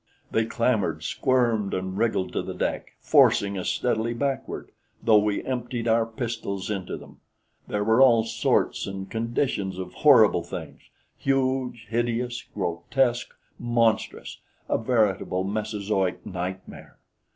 They clambered, squirmed and wriggled to the deck, forcing us steadily backward, though we emptied our pistols into them. There were all sorts and conditions of horrible things huge, hideous, grotesque, monstrous a veritable Mesozoic nightmare.